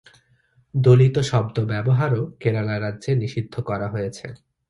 দলিত শব্দ ব্যবহারও কেরালা রাজ্যে নিষিদ্ধ করা হয়েছে।